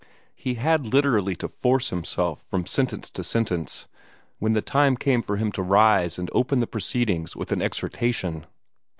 He had literally to force himself from sentence to sentence, when the time came for him to rise and open the proceedings with an exhortation.